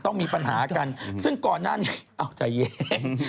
ต้องมีปัญหากันซึ่งก่อนหน้านี้ซึ่งก่อนหน้านี้นะฮะ